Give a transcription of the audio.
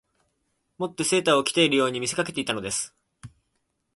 以てセーターを着ているように見せかけていたのです